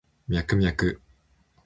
ミャクミャク